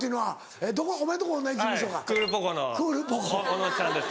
小野ちゃんです